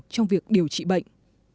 trong việc điều trị bệnh